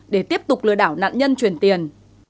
để tiếp tục lừa đảo nạn nhân chuyển tiền